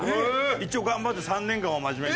一応頑張って３年間は真面目に。